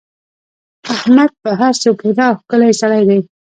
احمد په هر څه پوره او ښکلی سړی دی.